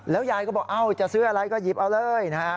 แล้วยายก็บอกจะซื้ออะไรก็หยิบเอาเลยนะครับ